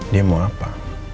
dia mau apa